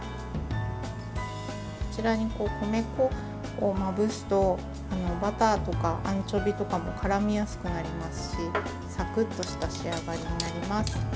こちらに米粉をまぶすとバターとかアンチョビとかもからみやすくなりますしサクッとした仕上がりになります。